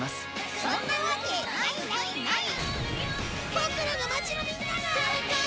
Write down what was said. ボクらの町のみんなが！